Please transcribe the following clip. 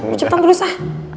ucapkan terus ah